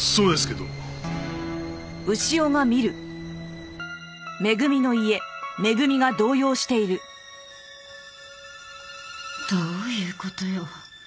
どういう事よ。